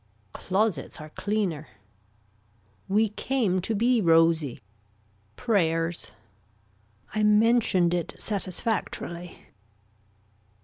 Closets are cleaner. We came to be rosy. Prayers. I mentioned it satisfactorily.